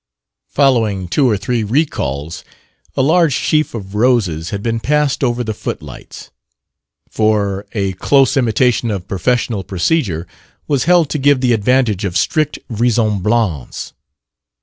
Following two or three recalls, a large sheaf of roses had been passed over the footlights; for a close imitation of professional procedure was held to give the advantage of strict vraisemblance.